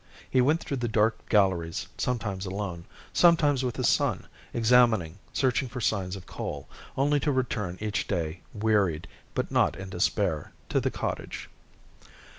He went through the dark galleries, sometimes alone, sometimes with his son, examining, searching for signs of coal, only to return each day, wearied, but not in despair, to the cottage.